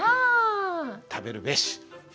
「食べるべし」。